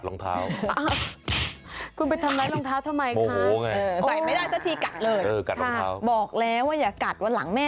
ต้องไปใส่ถุงเท้าสิใส่ไม่ได้ทำอย่างไร